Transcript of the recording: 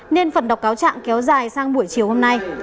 nên phần đọc cáo trạng kéo dài sang buổi chiều hôm nay